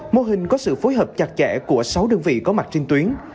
mô hình có sự phối hợp chặt chẽ của sáu đơn vị có mặt trên tuyến